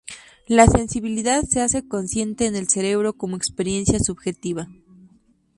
La sensibilidad se hace consciente en el cerebro como experiencia subjetiva.